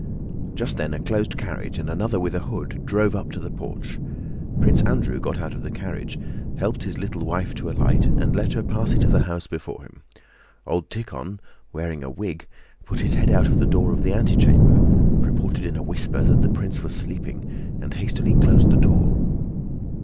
Just then a closed carriage and another with a hood drove up to the porch. Prince Andrew got out of the carriage, helped his little wife to alight, and let her pass into the house before him. Old Tíkhon, wearing a wig, put his head out of the door of the antechamber, reported in a whisper that the prince was sleeping, and hastily closed the door.